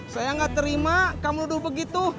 saya gak terima kamu duduk begitu